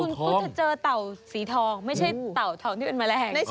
คุณก็จะเจอเต่าสีทองไม่ใช่เต่าทองที่เป็นแมลง